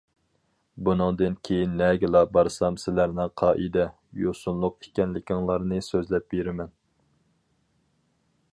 بۇنىڭدىن كېيىن نەگىلا بارسام سىلەرنىڭ قائىدە-يوسۇنلۇق ئىكەنلىكىڭلارنى سۆزلەپ بېرىمەن.